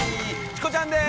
チコちゃんです。